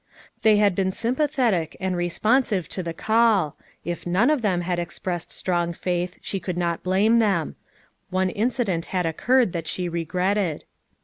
They had been sympathetic and responsive to the call; — if none of them had expressed strong faith, she could not blame them. One incident had occurred that she regretted.